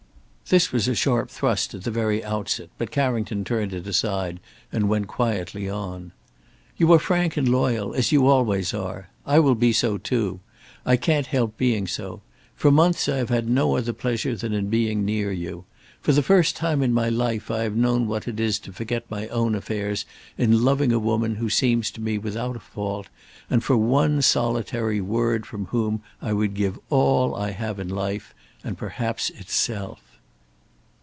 This was a sharp thrust at the very outset, but Carrington turned it aside and went quietly on: "You are frank and loyal, as you always are. I will be so too. I can't help being so. For months I have had no other pleasure than in being near you. For the first time in my life I have known what it is to forget my own affairs in loving a woman who seems to me without a fault, and for one solitary word from whom I would give all I have in life, and perhaps itself."